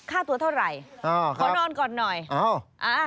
ค่าตัวเท่าไรขอนอนก่อนหน่อยห้อครับอ๋อ